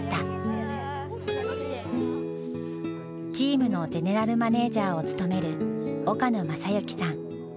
チームのゼネラルマネージャーを務める岡野雅行さん。